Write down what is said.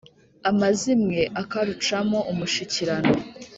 Amazimwe akarucamo umushikirano